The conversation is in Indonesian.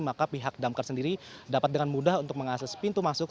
maka pihak damkar sendiri dapat dengan mudah untuk mengakses pintu masuk